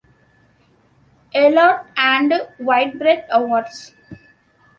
Eliot and Whitbread Awards.